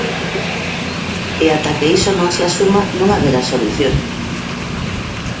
E ata que iso non se asuma non haberá solución.